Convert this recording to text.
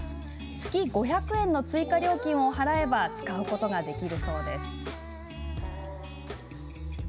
月５００円の追加料金を払えば使うことができるそうです。